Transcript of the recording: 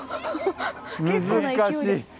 難しい。